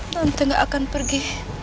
nanti enggak akan pergi